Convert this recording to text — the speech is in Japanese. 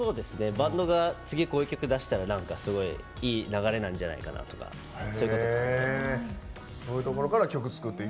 バンドが次こういう曲出したらすごいいい流れなんじゃないかなっていうそういうことを考えて。